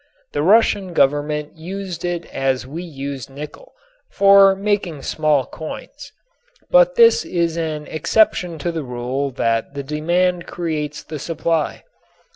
The Russian Government used it as we use nickel, for making small coins. But this is an exception to the rule that the demand creates the supply.